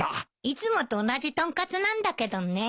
いつもと同じ豚カツなんだけどね。